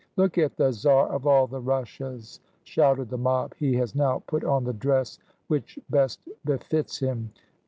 "Look at the czar of all the Russias!" shouted the mob; "he has now put on the dress which best befits him."